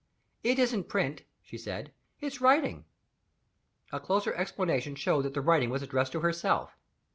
"It isn't print," she said; "it's writing." A closer examination showed that the writing was addressed to herself.